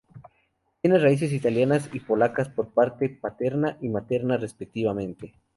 Tiene raíces italianas y polacas por parte paterna y materna respectivamente.